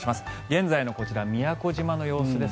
現在の、こちら宮古島の様子です。